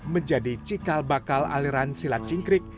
menjadi cikal bakal aliran silat cingkrik